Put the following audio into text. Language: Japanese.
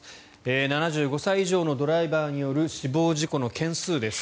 ７５歳以上のドライバーによる死亡事故の件数です。